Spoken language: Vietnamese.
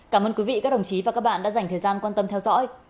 cảm ơn quý vị các đồng chí và các bạn đã dành thời gian quan tâm theo dõi